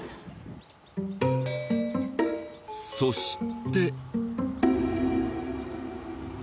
そして。